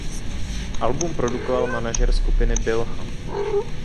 Album produkoval manažer skupiny Bill Ham.